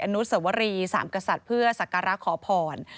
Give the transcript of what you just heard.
อนุสวรีสามกษัตริย์เพื่อสักการะขอพร